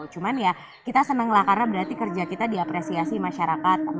cuman ya kita senang lah karena berarti kerja kita diapresiasi masyarakat